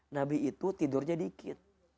nabi itu tidurnya dikit